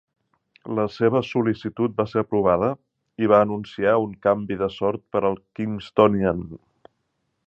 La seva sol·licitud va ser aprovada, i va anunciar un canvi de sort per al Kingstonian.